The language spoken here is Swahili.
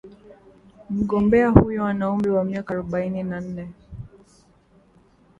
Mgombea huyo ana umri wa miaka arubaini na nne